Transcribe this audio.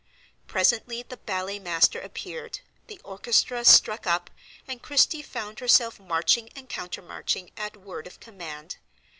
Presently the ballet master appeared, the orchestra struck up, and Christie found herself marching and counter marching at word of command.